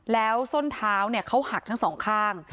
แล้วส้นเท้าเขาหักทั้งสองข้าง